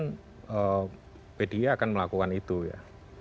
tentu kemudian pdi akan melakukan itu ya